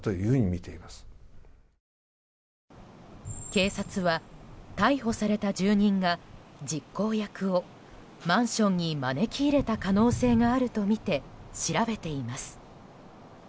警察は逮捕された住人が実行役をマンションに招き入れた可能性があるとみて調べています。